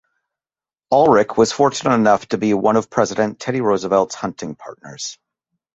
Alrich was fortunate enough to be one of President Teddy Roosevelt's hunting partners.